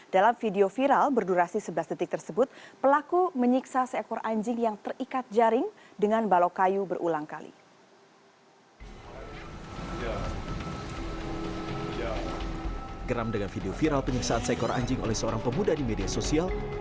dalam video viral berdurasi sebelas detik tersebut pelaku menyiksa seekor anjing yang terikat jaring dengan balok kayu berulang kali